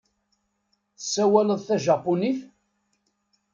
Tessawaleḍ tajapunit?